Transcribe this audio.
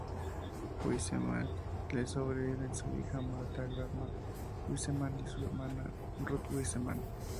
A Wiseman le sobreviven su hija, Martha Graham Wiseman, y su hermana, Ruth Wiseman.